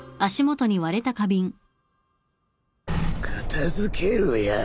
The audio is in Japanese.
片付けろや